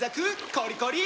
コリコリ！